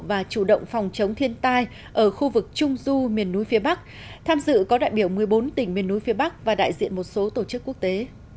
và chủ động phòng chống thiên tai ở khu vực trung du miền núi phía bắc tham dự có đại biểu một mươi bốn tỉnh miền núi phía bắc và đại diện một số tổ chức quốc tế